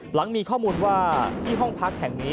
หลังมีข้อมูลว่าที่ห้องพักแห่งนี้